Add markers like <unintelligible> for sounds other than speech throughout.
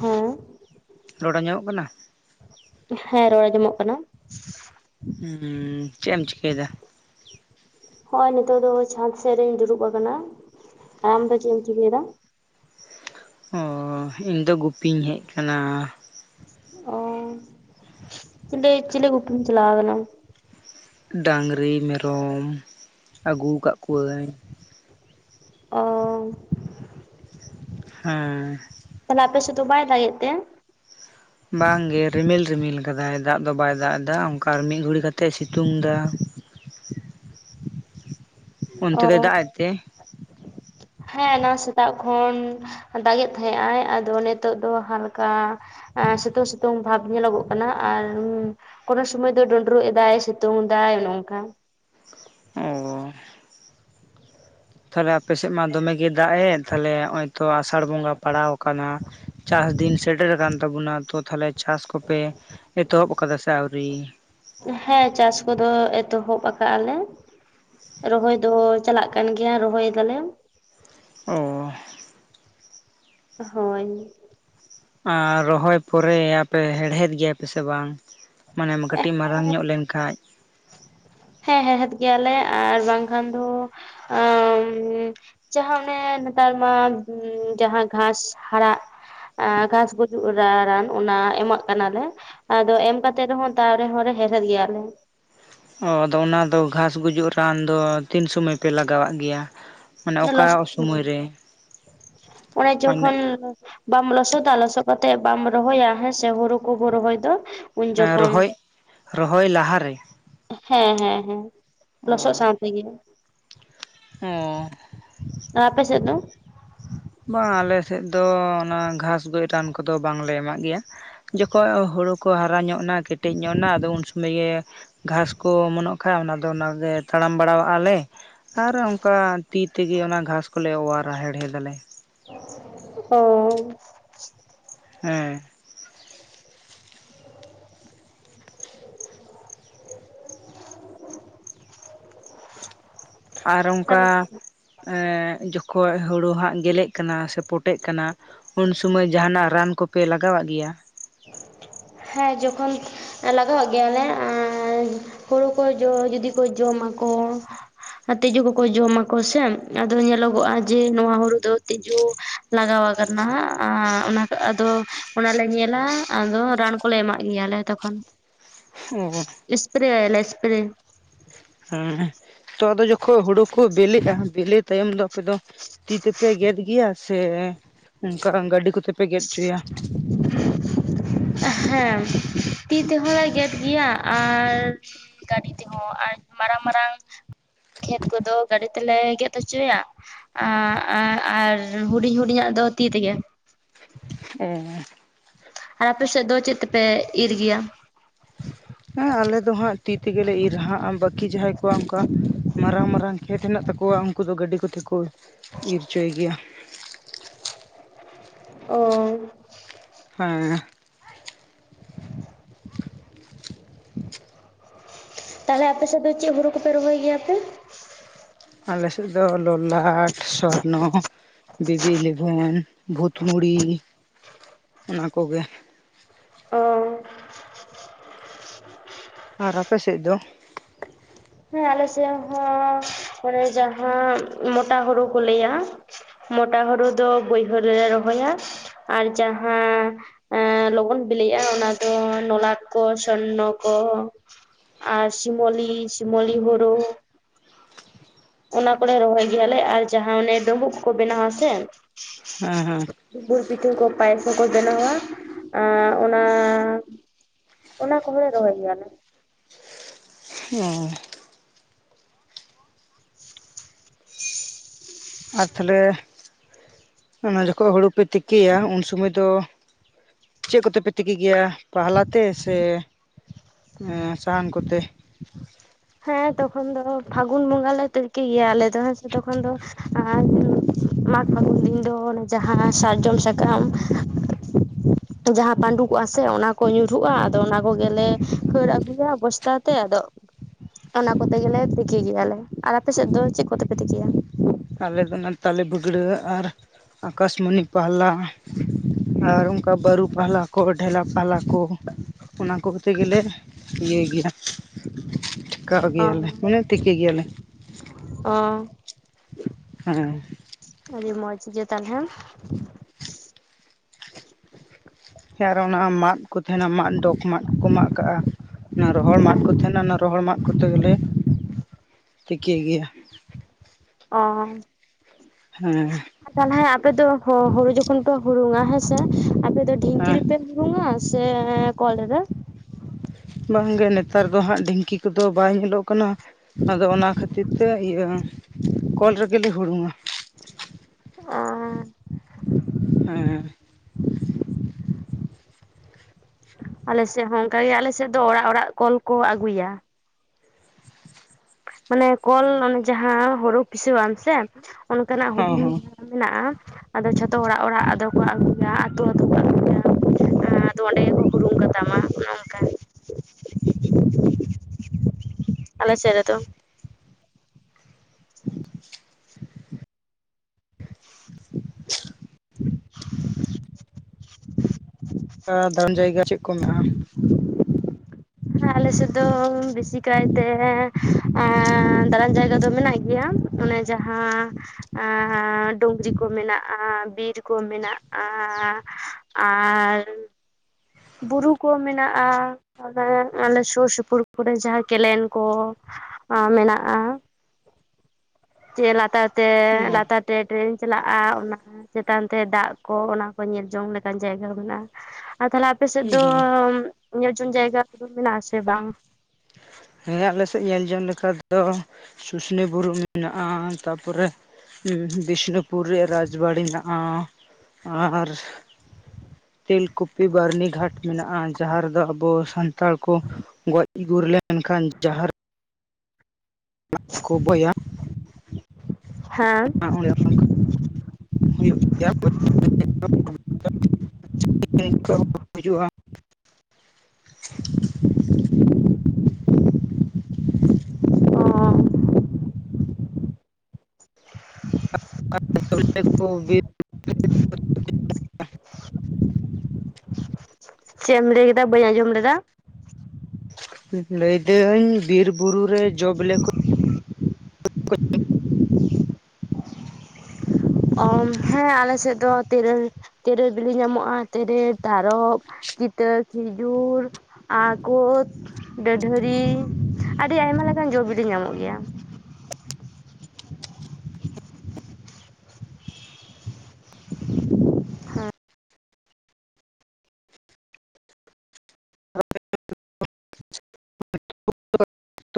ᱦᱮᱸ᱾ ᱨᱚᱲ ᱟᱸᱡᱚᱢᱚᱜ ᱠᱟᱱᱟ? ᱦᱮᱸ ᱨᱚᱲ ᱟᱸᱡᱚᱢᱚᱜ ᱠᱟᱱᱟ᱾ ᱦᱩᱸ ᱪᱮᱜ ᱮᱢ ᱪᱤᱠᱟᱹᱭᱫᱟ? ᱦᱚᱸᱜᱼᱚᱭ ᱱᱤᱛᱚᱜ ᱫᱚ ᱪᱷᱟᱸᱫᱽ ᱥᱮᱜ ᱨᱮᱧ ᱫᱩᱲᱩᱵ ᱟᱠᱟᱱᱟ᱾ ᱟᱨ ᱟᱢ ᱫᱚ ᱪᱮᱜ ᱮᱢ ᱪᱤᱠᱟᱹᱭᱫᱟ? ᱚ ᱤᱧ ᱫᱚ ᱜᱩᱯᱤᱧ ᱦᱮᱡ ᱟᱠᱟᱱᱟ ᱾ ᱚ ᱪᱤᱞᱤ ᱪᱤᱞᱤ ᱜᱩᱯᱤᱢ ᱪᱟᱞᱟᱣ ᱠᱟᱱᱟ? ᱰᱟᱹᱝᱨᱤ, ᱢᱮᱨᱚᱢ ᱟᱹᱜᱩᱣ ᱠᱟᱜ ᱠᱚᱣᱟᱹᱧ ᱾ ᱚᱸ ᱦᱮᱸ᱾ ᱛᱟᱦᱞᱮ ᱟᱯᱮ ᱥᱮᱫ ᱫᱚ ᱵᱟᱭ ᱫᱟᱜᱮᱫ ᱛᱮ? ᱵᱟᱝᱜᱮ ᱨᱤᱢᱤᱞ ᱨᱤᱢᱤᱞ ᱠᱟᱫᱟᱭ ᱫᱟᱜ ᱫᱚ ᱵᱟᱭ ᱫᱟᱜᱫᱟ ᱚᱝᱠᱟ ᱢᱤᱜ ᱜᱷᱩᱲᱤ ᱠᱟᱛᱮᱜ ᱥᱤᱛᱩᱝᱫᱟ ᱾ ᱚ ᱚᱱᱛᱮ ᱫᱚᱭ ᱫᱟᱜ ᱮᱫ ᱛᱮ? ᱦᱮᱸ ᱚᱱᱟ ᱥᱮᱛᱟᱜ ᱠᱷᱚᱱ ᱫᱟᱜᱮᱫ ᱛᱟᱦᱮᱸᱜ ᱟᱭ ᱟᱫᱚ ᱱᱤᱛᱚᱜ ᱫᱚ ᱦᱟᱞᱠᱟ ᱟᱸ ᱥᱤᱛᱩᱝ ᱥᱤᱛᱩᱝ ᱵᱷᱟᱵᱽ ᱧᱮᱞᱚᱜᱚᱜ ᱠᱟᱱᱟ ᱟᱨ ᱠᱚᱱᱳ ᱥᱚᱢᱚᱭ ᱫᱚ ᱰᱩᱸᱰᱨᱩᱜ ᱮᱫᱟᱭ ᱥᱤᱛᱩᱝ ᱮᱫᱟᱭ ᱚᱱᱮ ᱚᱝᱠᱟ᱾ ᱚ ᱛᱷᱟᱞᱮ ᱟᱯᱮᱥᱮᱜ ᱢᱟ ᱫᱚᱢᱮᱜᱮ ᱫᱟᱜ ᱮᱫ ᱛᱷᱟᱞᱮ ᱦᱚᱸᱜᱼᱚᱭ ᱛᱚ ᱟᱥ ᱥᱟᱲ ᱵᱚᱸᱜᱟ ᱯᱟᱲᱟᱣ ᱠᱟᱱᱟ ᱪᱟᱥ ᱫᱤᱱ ᱥᱮᱴᱮᱨ ᱠᱟᱱ ᱛᱟᱵᱚᱱᱟ ᱛᱚ ᱛᱟᱦᱞᱮ ᱪᱟᱥ ᱠᱚᱯᱮ ᱮᱛᱚᱦᱚᱵ ᱠᱟᱫᱟ ᱥᱮ ᱟᱹᱣᱨᱤ? ᱦᱮᱸ ᱪᱟᱥ ᱠᱚᱫᱚ ᱮᱛᱚᱦᱚᱵ ᱠᱟᱜᱼᱟᱞᱮ᱾ ᱨᱚᱦᱚᱭ ᱫᱚ ᱪᱟᱞᱟᱜ ᱠᱟᱱ ᱜᱮᱭᱟ ᱨᱚᱦᱚᱭ ᱫᱟᱞᱮ᱾ ᱚᱸ ᱦᱳᱭ᱾ ᱟᱨ ᱨᱚᱦᱚᱭ ᱯᱚᱨᱮ ᱨᱭᱟᱯᱮ ᱦᱮᱲᱦᱮᱫ ᱜᱮᱭᱟ ᱯᱮ ᱥᱮ ᱵᱟᱝ? ᱢᱟᱱᱮᱢ ᱠᱟᱹᱴᱤᱡ ᱢᱟᱨᱟᱝ ᱧᱚᱜ ᱞᱮᱱᱠᱷᱟᱡ ᱦᱮᱸ ᱦᱮᱲᱦᱮᱫ ᱜᱮᱭᱟᱞᱮ ᱟᱨ ᱵᱟᱝᱠᱷᱟᱱ ᱫᱚ ᱚᱸᱢ ᱡᱟᱦᱟᱸ ᱚᱱᱮ ᱱᱮᱛᱟᱨ ᱢᱟ ᱩᱸ ᱡᱟᱦᱟᱸ ᱜᱷᱟᱸᱥ ᱦᱟᱨᱟᱜ ᱟᱸ ᱜᱷᱟᱥ ᱜᱩᱡᱩᱜ ᱨᱟᱼᱨᱟᱱ ᱚᱱᱟ ᱮᱢᱟᱜ ᱠᱟᱱᱟᱞᱮ᱾ ᱟᱫᱚ ᱮᱢ ᱠᱟᱛᱮᱜ ᱨᱮᱦᱚᱸ ᱛᱟᱣ ᱨᱮᱦᱚᱸᱞᱮ ᱦᱮᱨᱦᱮᱫ ᱜᱮᱭᱟᱞᱮ᱾ ᱚᱸ ᱟᱫᱚ ᱚᱱᱟᱫᱚ ᱜᱷᱟᱸᱥ ᱜᱩᱡᱩᱜ ᱨᱟᱱ ᱫᱚ ᱛᱤᱱ ᱥᱚᱢᱚᱭ ᱯᱮ ᱞᱟᱜᱟᱣᱟᱜ ᱜᱮᱭᱟ? ᱢᱟᱱᱮ ᱚᱠᱟ ᱥᱚᱢᱚᱭ ᱨᱮ? ᱚᱱᱮ ᱢᱟᱱᱮ ᱡᱚᱠᱷᱚᱱ ᱵᱟᱢ ᱞᱚᱥᱚᱫᱟ ᱞᱚᱥᱚᱜ ᱠᱟᱛᱮᱜ ᱵᱟᱢ ᱨᱚᱦᱚᱭᱟ ᱦᱮᱸᱥᱮ ᱦᱩᱲᱩ ᱠᱚᱵᱚ ᱨᱚᱦᱚᱭ ᱫᱚ ᱩᱱ ᱦᱮᱸ ᱡᱚᱠᱷᱚᱱ ᱨᱚᱦᱚᱭ ᱨᱚᱦᱚᱭ ᱞᱟᱦᱟᱨᱮ? ᱦᱮᱸ ᱦᱮᱸ ᱦᱮᱸ ᱞᱚᱥᱚᱜ ᱥᱟᱶ ᱛᱮᱜᱮ᱾ ᱚᱸ ᱟ ᱟᱯᱮ ᱥᱮᱜ ᱫᱚ? ᱵᱟᱝ ᱟᱞᱮᱥᱮᱫ ᱫᱚ ᱚᱱᱟ ᱜᱷᱟᱥ ᱜᱚᱡ ᱨᱟᱱ ᱠᱚᱫᱚ ᱵᱟᱝᱞᱮ ᱮᱢᱟᱜ ᱜᱮᱭᱟ᱾ ᱡᱚᱠᱷᱚᱡ ᱦᱩᱲᱩ ᱠᱚ ᱦᱟᱨᱟ ᱧᱚᱜᱱᱟ ᱠᱮᱴᱮᱡ ᱧᱚᱜᱱᱟ ᱟᱫᱚ ᱩᱱ ᱥᱚᱢᱚᱭ ᱜᱮ ᱜᱷᱟᱸᱥ ᱠᱚ ᱚᱢᱚᱱᱚᱜ ᱠᱷᱟ ᱚᱱᱟᱫᱚ ᱚᱱᱟᱜᱮ ᱛᱟᱲᱟᱢ ᱵᱟᱲᱟᱣᱟᱜᱼᱟ ᱞᱮ᱾ ᱟᱨ ᱚᱝᱠᱟ ᱛᱤ ᱛᱮᱜᱮ ᱚᱱᱟ ᱜᱷᱟᱸᱥ ᱠᱚᱞᱮ ᱚᱣᱟᱨᱟ ᱦᱮᱲᱦᱮᱫᱟᱞᱮ᱾ ᱚᱸ ᱦᱮᱸ <inaudible> ᱟᱨ ᱚᱝᱠᱟ ᱟᱞᱮ ᱥᱮᱫ ᱮᱸ ᱡᱚᱠᱷᱚᱡ ᱦᱩᱲᱩ ᱦᱟᱸᱜ ᱜᱮᱞᱮᱜ ᱠᱟᱱᱟ ᱥᱮ ᱯᱚᱴᱮᱜ ᱠᱟᱱᱟ ᱩᱱ ᱥᱚᱢᱚᱭ ᱡᱟᱦᱟᱱᱟᱜ ᱨᱟᱱ ᱠᱚᱯᱮ ᱞᱟᱜᱟᱣᱟᱜ ᱜᱮᱭᱟ? ᱦᱮᱸ ᱡᱚᱠᱷᱚᱱ ᱮ ᱞᱟᱜᱟᱣᱟᱜ ᱜᱮᱭᱟᱞᱮ ᱟᱨ ᱦᱩᱲᱩ ᱠᱚ ᱡᱚ ᱡᱩᱫᱤ ᱠᱚ ᱡᱚᱢᱟ ᱠᱚ ᱛᱤᱡᱩ ᱠᱚᱠᱚ ᱡᱚᱢᱟᱠᱚ ᱥᱮ ᱟᱫᱚ ᱧᱮᱞᱚᱜᱚᱜᱼᱟ ᱡᱮ ᱱᱚᱣᱟ ᱦᱩᱲᱩ ᱫᱚ ᱛᱤᱡᱩ ᱞᱟᱜᱟᱣ ᱟᱠᱟᱱᱟ ᱚᱱᱟ ᱟᱫᱚ ᱚᱱᱟᱞᱮ ᱧᱮᱞᱟ ᱟᱫᱚ ᱨᱟᱱ ᱠᱚᱞᱮ ᱮᱢᱟᱜ ᱜᱮᱭᱟᱞᱮ ᱛᱚᱠᱷᱚᱱ᱾ ᱚᱸ ᱯᱨᱮᱭᱟᱞᱮ ᱥᱯᱨᱮ ᱦᱮᱸ ᱛᱚ ᱟᱫᱚ ᱡᱚᱠᱷᱚᱡ ᱦᱩᱲᱩ ᱠᱚ ᱵᱤᱞᱤᱜᱼᱟ ᱵᱤᱞᱤ ᱛᱟᱭᱚᱢ ᱫᱚ ᱟᱯᱮ ᱫᱚ ᱛᱤ ᱛᱮᱯᱮ ᱜᱮᱫ ᱜᱮᱭᱟ ᱥᱮ ᱚᱱᱠᱟ ᱜᱟᱹᱰᱤ ᱠᱚᱛᱮ ᱯᱮ ᱜᱮᱫ ᱚᱪᱚᱭᱟ? ᱦᱮᱸ ᱛᱤ ᱛᱮ ᱦᱚᱸᱞᱮ ᱜᱮᱫ ᱜᱮᱭᱟ ᱟᱨ ᱜᱟᱹᱰᱤ ᱛᱮᱦᱚᱸ ᱟᱨ ᱢᱟᱨᱟᱝ ᱢᱟᱨᱟᱝ ᱠᱷᱮᱛ ᱠᱚᱫᱚ ᱜᱟᱹᱰᱤ ᱛᱮᱞᱮ ᱜᱮᱫ ᱦᱚᱪᱚᱭᱟ᱾ ᱟᱸ ᱟᱸ ᱟᱨ ᱦᱩᱰᱤᱧ ᱦᱩᱰᱤᱧᱟᱜ ᱫᱚ ᱛᱤ ᱛᱮᱜᱮ᱾ ᱚᱸ ᱟᱨ ᱟᱯᱮ ᱥᱮᱫ ᱫᱚ ᱪᱮᱫ ᱛᱮᱯᱮ ᱤᱨ ᱜᱮᱭᱟ᱾ ᱦᱮᱸ ᱟᱞᱮ ᱫᱚ ᱦᱟᱸᱜ ᱛᱤ ᱛᱮᱜᱮᱞᱮ ᱤᱨᱟᱦᱟᱜ-ᱟ ᱵᱟᱹᱠᱤ ᱡᱟᱦᱟᱸᱭ ᱠᱚᱣᱟᱜ ᱚᱱᱠᱟ ᱢᱟᱨᱟᱝ ᱢᱟᱨᱟᱝ ᱠᱷᱮᱛ ᱦᱮᱱᱟᱜ ᱛᱟᱠᱚᱣᱟ ᱩᱱᱠᱩ ᱫᱚ ᱜᱟᱹᱰᱤ ᱠᱚᱛᱮ ᱠᱚ ᱤᱨ ᱦᱚᱪᱚᱭ ᱜᱮᱭᱟ᱾ ᱚ ᱦᱮᱸ ᱛᱟᱦᱚᱞᱮ ᱟᱯᱮ ᱥᱮᱫ ᱫᱚ ᱪᱮᱫ ᱦᱩᱨᱩ ᱠᱚᱯᱮ ᱨᱚᱦᱚᱭ ᱜᱮᱭᱟᱯᱮ? ᱟᱞᱮᱥᱮᱫ ᱫᱚ ᱞᱚᱞᱟᱴ ᱥᱚᱨᱱᱚ, ᱵᱤᱵᱤ ᱤᱞᱤᱵᱷᱮᱱ, ᱵᱷᱩᱛ ᱢᱩᱲᱤ ᱚᱱᱟ ᱠᱚᱜᱮ᱾ ᱚ ᱟᱨ ᱟᱯᱮ ᱥᱮᱫ ᱫᱚ? ᱦᱮᱸ ᱟᱞᱮ ᱥᱮᱫ ᱦᱚᱸ ᱚᱱᱮ ᱡᱟᱦᱟᱸ ᱢᱚᱴᱟ ᱦᱩᱲᱩ ᱠᱚ ᱞᱟᱹᱭᱟ ᱢᱚᱴᱟ ᱦᱩᱲᱩ ᱫᱚ ᱵᱟᱹᱭᱦᱟᱹᱲ ᱨᱮᱞᱮ ᱨᱚᱦᱚᱭᱟ ᱟᱨ ᱡᱟᱦᱟᱸ ᱮᱸ ᱞᱚᱜᱚᱱ ᱵᱤᱞᱤᱜ-ᱟ ᱚᱱᱟ ᱫᱚ ᱞᱚᱞᱟᱴ ᱠᱚ, ᱥᱚᱨᱱᱚ ᱠᱚ ᱟᱨ ᱥᱤᱢᱚᱞᱤ ᱥᱤᱢᱚᱞᱤ ᱦᱩᱲᱩ ᱚᱱᱟ ᱠᱚᱞᱮ ᱨᱚᱦᱚᱭ ᱜᱮᱭᱟᱞᱮ ᱟᱨ ᱡᱟᱦᱟᱸ ᱚᱱᱮ ᱰᱩᱸᱵᱩᱜ ᱠᱚᱠᱚ ᱵᱮᱱᱟᱣᱟᱥᱮ? ᱦᱮᱸ ᱦᱮᱸ ᱜᱩᱲ ᱯᱤᱴᱷᱟᱹ ᱠᱚ ᱯᱟᱭᱮᱥ ᱦᱚᱸᱠᱚ ᱵᱮᱱᱟᱣᱟ ᱟᱨ ᱚᱱᱟ ᱚᱱᱟ ᱠᱚᱦᱚᱸ ᱞᱮ ᱨᱚᱦᱚᱭ ᱜᱮᱭᱟ ᱞᱮ᱾ ᱚ <inaudible> ᱟᱨ ᱛᱟᱦᱞᱮ ᱚᱱᱟ ᱡᱚᱠᱷᱚᱡ ᱦᱩᱲᱩ ᱯᱮ ᱛᱤᱠᱤᱭᱟ ᱩᱱ ᱥᱚᱢᱚᱭ ᱫᱚ ᱪᱮᱫ ᱠᱚᱛᱮ ᱯᱮ ᱛᱤᱠᱤ ᱜᱮᱭᱟ ᱯᱟᱦᱞᱟ ᱛᱮ ᱥᱮ ᱮᱸ ᱥᱟᱦᱟᱱ ᱠᱚᱛᱮ? ᱦᱮᱸ ᱛᱚᱠᱷᱚᱱ ᱫᱚ ᱯᱷᱟᱹᱜᱩᱱ ᱵᱚᱸᱜᱟ ᱞᱮ ᱛᱤᱠᱤ ᱜᱮᱭᱟ ᱟᱞᱮ ᱫᱚ ᱦᱮᱸ ᱥᱮ ᱛᱚᱠᱷᱚᱱ ᱫᱚ ᱟᱨ ᱢᱟᱜᱽ ᱯᱷᱟᱹᱜᱩᱱ ᱫᱤᱱ ᱫᱚ ᱚᱱᱮ ᱡᱟᱦᱟᱸ ᱥᱟᱨᱡᱚᱢ ᱥᱟᱠᱟᱢ ᱡᱟᱦᱟᱸ ᱯᱟᱺᱰᱩᱠᱚᱜ-ᱟ ᱥᱮ ᱚᱱᱟ ᱠᱚ ᱧᱩᱨᱦᱩᱜ-ᱟ ᱟᱫᱚ ᱚᱱᱟ ᱠᱚᱜᱮᱞᱮ ᱦᱟᱹᱨ ᱟᱹᱜᱩᱭᱟ ᱵᱚᱥ ᱛᱟ ᱛᱮ ᱟᱫᱚ ᱚᱱᱟ ᱠᱚᱛᱮ ᱜᱮᱞᱮ ᱛᱤᱠᱤ ᱜᱮᱭᱟ ᱞᱮ ᱟᱨ ᱟᱯᱮ ᱥᱮᱫ ᱫᱚ ᱪᱮᱫ ᱠᱚᱛᱮᱯᱮ ᱛᱤᱠᱤᱭᱟ? ᱟᱞᱮ ᱫᱚ ᱚᱱᱟ ᱛᱟᱞᱮ ᱵᱷᱟᱹᱜᱽᱲᱟᱹ ᱟᱨ ᱟᱠᱟᱥᱢᱚᱱᱤ ᱯᱟᱦᱞᱟ ᱟᱨ ᱚᱱᱠᱟ ᱵᱟᱹᱨᱩ ᱯᱟᱦᱞᱟ ᱠᱚ ᱰᱷᱮᱞᱟ ᱯᱟᱦᱞᱟ ᱠᱚ ᱚᱱᱟ ᱠᱚᱛᱮ ᱜᱮᱞᱮ ᱤᱭᱟᱹᱭ ᱜᱮᱭᱟ᱾ ᱴᱷᱮᱠᱟᱣ ᱜᱮᱭᱟ ᱞᱮ ᱢᱟᱱᱮ ᱛᱤᱠᱤ ᱜᱮᱭᱟ ᱞᱮ᱾ ᱚ ᱦᱮᱸ ᱟᱹᱰᱤ ᱢᱚᱡᱽ ᱜᱮ ᱛᱟᱦᱚᱞᱮ᱾ ᱥᱮ ᱟᱨᱚ ᱚᱱᱟ ᱢᱟᱫ ᱠᱚ ᱛᱟᱦᱮᱱᱟ ᱢᱟᱫ ᱰᱚᱜ ᱢᱟᱫ ᱠᱚᱠᱚ ᱢᱟᱜ ᱠᱟᱜ-ᱟ ᱚᱱᱟ ᱨᱚᱦᱚᱲ ᱢᱟᱫ ᱠᱚ ᱛᱟᱦᱮᱱᱟ ᱚᱱᱟ ᱨᱚᱦᱚᱲ ᱢᱟᱫ ᱠᱚ ᱡᱚᱛᱚ ᱜᱮᱞᱮ ᱛᱤᱠᱤᱭ ᱜᱮᱭᱟ᱾ ᱚ ᱦᱮᱸ ᱛᱟᱦᱚᱞᱮ ᱟᱯᱮ ᱫᱚ ᱦᱩᱲᱩ ᱡᱚᱠᱷᱚᱱ ᱯᱮ ᱦᱩᱲᱩᱝᱟ ᱦᱮᱸᱥᱮ ᱟᱯᱮ ᱫᱚ ᱰᱷᱤᱝᱠᱤ ᱦᱮᱸ ᱨᱮᱯᱮ ᱦᱩᱲᱩᱝᱟ ᱥᱮ ᱠᱚᱞ ᱨᱮ᱾ ᱵᱟᱝᱜᱮ ᱱᱮᱛᱟᱨ ᱫᱚ ᱦᱟᱸᱜ ᱰᱷᱤᱝᱠᱤ ᱠᱚᱫᱚ ᱵᱟᱭ ᱧᱮᱞᱚᱜ ᱠᱟᱱᱟ ᱟᱫᱚ ᱚᱱᱟ ᱠᱷᱟᱹᱛᱤᱨ ᱛᱮ ᱤᱭᱟᱹ ᱠᱚᱞ ᱨᱮᱜᱮᱞᱮ ᱦᱩᱲᱩᱝᱟ᱾ ᱚᱻ ᱦᱮᱸ ᱟᱞᱮ ᱥᱮᱫ ᱦᱚᱸ ᱚᱱᱠᱟᱜ ᱜᱮ ᱟᱞᱮ ᱥᱮᱫ ᱫᱚ ᱚᱲᱟᱜ ᱚᱲᱟᱜ ᱠᱚᱞ ᱠᱚ ᱟᱹᱜᱩᱭᱟ᱾ ᱢᱟᱱᱮ ᱠᱚᱞ ᱚᱱᱮ ᱡᱟᱦᱟᱸ ᱦᱩᱲᱩ ᱯᱤᱥᱟᱹ ᱟᱢ ᱥᱮ ᱚᱱᱠᱟᱱᱟᱜ ᱦᱚᱸ ᱦᱩᱰᱤᱧ ᱦᱚᱸ ᱢᱮᱱᱟᱜ-ᱟ ᱟᱫᱚ ᱡᱷᱚᱛᱚ ᱚᱲᱟᱜ ᱚᱲᱟᱜ ᱟᱫᱚ ᱠᱚ ᱟᱹᱜᱩᱭᱟ ᱟᱹᱛᱩ ᱟᱹᱛᱩ ᱠᱚ ᱟᱹᱜᱩᱭᱟ ᱟᱨ ᱟᱫᱚ ᱚᱸᱰᱮ ᱜᱮᱠᱚ ᱦᱩᱲᱩᱝ ᱠᱟᱛᱟᱢᱟ ᱚᱱᱮ ᱚᱱᱠᱟ ᱟᱞᱮ ᱥᱮᱫ ᱨᱮᱫᱚ᱾ <inaudible> <inaudible> <inaudible> ᱚᱱᱠᱟ ᱫᱟᱬᱟᱱ ᱡᱟᱭᱜᱟ ᱪᱮᱫ ᱠᱚ ᱢᱮᱱᱟᱜ-ᱟ? ᱦᱮᱸ ᱟᱞᱮ ᱥᱮᱫ ᱫᱚ ᱵᱮᱥᱤ ᱠᱟᱭᱛᱮ ᱫᱟᱬᱟᱱ ᱡᱟᱭᱜᱟ ᱫᱚ ᱢᱮᱱᱟᱜ ᱜᱮᱭᱟ᱾ ᱚᱱᱮ ᱡᱟᱦᱟᱸ ᱟᱸ ᱰᱩᱝᱨᱤ ᱠᱚ ᱢᱮᱱᱟᱜ-ᱟ ᱵᱤᱨ ᱠᱚ ᱢᱮᱱᱟᱜ-ᱟ ᱟᱨ ᱵᱩᱨᱩ ᱠᱚ ᱢᱮᱱᱟᱜ-ᱟ ᱟᱞᱮ ᱥᱩᱨ ᱥᱩᱯᱩᱨ ᱠᱚᱨᱮ ᱡᱟᱦᱟᱸ ᱠᱮᱱᱮᱞ ᱠᱚ ᱢᱮᱱᱟᱜ-ᱟ᱾ ᱪᱮ ᱞᱟᱛᱟᱨ ᱛᱮ ᱞᱟᱛᱟᱨ ᱴᱮ ᱴᱨᱮᱱ ᱪᱟᱞᱟᱜ-ᱟ ᱚᱱᱟ ᱪᱮᱛᱟᱱ ᱛᱮ ᱫᱟᱜ ᱠᱚ ᱚᱱᱟ ᱠᱚ ᱧᱮᱞ ᱡᱚᱝ ᱞᱮᱠᱟᱱ ᱡᱟᱭᱜᱟ ᱢᱮᱱᱟᱜ-ᱟ᱾ ᱟᱨ ᱛᱟᱦᱞᱮ ᱟᱯᱮ ᱥᱮᱫ ᱫᱚ ᱦᱮᱸ ᱧᱮᱞ ᱡᱚᱱ ᱡᱟᱭᱜᱟ ᱠᱚᱫᱚ ᱢᱮᱱᱟᱜ-ᱟ ᱥᱮ ᱵᱟᱝ? ᱦᱮᱸ ᱟᱞᱮ ᱥᱮᱫ ᱧᱮᱞ ᱡᱚᱝ ᱞᱮᱠᱟ ᱫᱚ ᱥᱩᱥᱱᱤ ᱵᱩᱨᱩ ᱢᱮᱱᱟᱜ-ᱟ᱾ ᱛᱟ ᱯᱚᱨᱮ ᱵᱤᱥᱱᱩᱯᱩᱨ ᱨᱮᱭᱟᱜ ᱨᱟᱡᱽ ᱵᱟᱲᱤ ᱢᱮᱱᱟᱜ-ᱟ ᱟᱨ ᱛᱮᱞᱠᱩᱯᱤ ᱵᱟᱨᱱᱤ ᱜᱷᱟᱴ ᱢᱮᱱᱟᱜ-ᱟ ᱡᱟᱦᱟᱸ ᱨᱮᱫᱚ ᱟᱵᱚ ᱥᱟᱱ ᱛᱟᱲ ᱠᱚ ᱜᱚᱡ ᱤᱜᱩᱨ ᱞᱮᱱᱠᱷᱟᱱ ᱡᱟᱦᱟᱸ <unintelligible> ᱠᱚ ᱵᱚᱭᱭᱟ ᱦᱮᱸ <unintelligible> ᱦᱩᱭᱩᱜ ᱜᱮ ᱜᱮᱭᱟ <unintelligible> <unintelligible> ᱦᱤᱡᱩᱜ-ᱟ <inaudible> ᱚ <unintelligible> ᱠᱚ ᱵᱤᱨ ᱪᱮᱫ ᱮᱢ ᱞᱟᱹᱭ ᱠᱮᱫᱟ ᱵᱟᱹᱧ ᱟᱸᱡᱚᱢ ᱞᱮᱫᱟ᱾ ᱞᱟᱹᱭᱫᱟᱹᱧ ᱵᱤᱨ ᱵᱩᱨᱩ ᱨᱮ ᱡᱚ ᱵᱮᱹᱞᱮ ᱠᱚ ᱚᱢ ᱦᱮᱸ ᱟᱞᱮ ᱥᱮᱫ ᱫᱚ ᱛᱮᱹᱨᱮᱹᱞ ᱛᱮᱹᱨᱮᱹᱞ ᱵᱤᱞᱤ ᱧᱟᱢᱚᱜ-ᱟ ᱛᱮᱨᱮᱞ ᱛᱟᱨᱚᱵ ᱠᱤᱛᱟᱹ, ᱠᱷᱤᱡᱩᱨ, ᱟ ᱠᱳᱛ, ᱰᱟᱹᱰᱷᱟᱹᱨᱤ ᱟᱹᱰᱤ ᱟᱭᱢᱟ ᱞᱮᱠᱟᱱ ᱡᱚ ᱵᱤᱞᱤ ᱧᱟᱢᱚᱜ ᱜᱮᱭᱟ᱾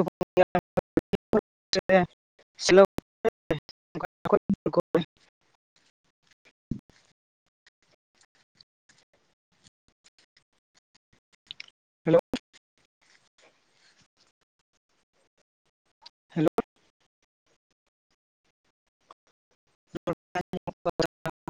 <unintelligible> <unintelligible> ᱦᱮᱞᱳ ᱦᱮᱞᱳ ᱨᱚ <unintelligible>